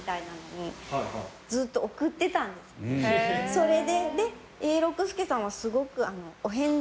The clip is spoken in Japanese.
それで。